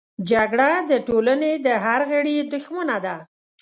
جګړه د ټولنې د هر غړي دښمنه ده